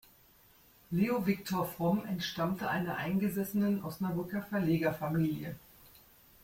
Leo Victor Fromm entstammte einer eingesessenen Osnabrücker Verlegerfamilie.